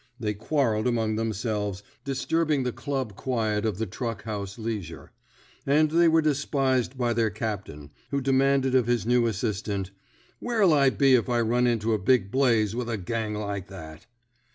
They quarrelled among themselves, disturbing the club quiet of the truck house leisure; and they were despised by their captain, who demanded of his new assistant, Where '11 1 be if I run into a big blaze with a gang like that?